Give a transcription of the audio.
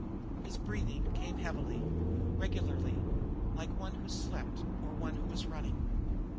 His breathing came heavily, regularly, like one who slept or one who is running.